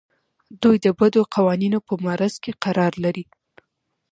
دوی د بدو قوانینو په معرض کې قرار لري.